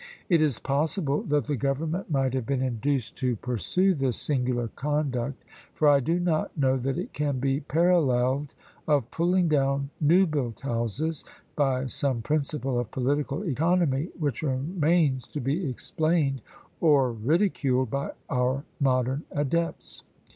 It is possible that the government might have been induced to pursue this singular conduct, for I do not know that it can be paralleled, of pulling down new built houses by some principle of political economy which remains to be explained, or ridiculed, by our modern adepts.